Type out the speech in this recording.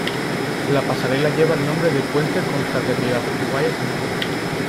La pasarela lleva el nombre de Puente Confraternidad Uruguay-Argentina.